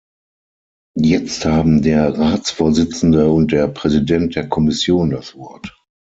Jetzt haben der Ratsvorsitzende und der Präsident der Kommission das Wort.